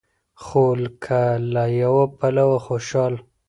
خو که له يوه پلوه خوشال